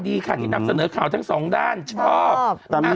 ดีค่ะที่นำเสนอข่าวทั้งสองด้านชอบ